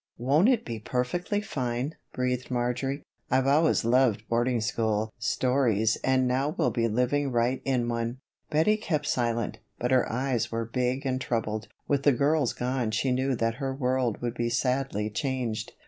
"Won't it be perfectly fine?" breathed Marjory. "I've always loved boarding school stories and now we'll be living right in one." Bettie kept silence, but her eyes were big and troubled. With the girls gone she knew that her world would be sadly changed.